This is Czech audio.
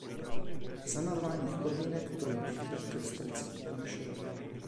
Za normálních podmínek to je bílý krystalický prášek.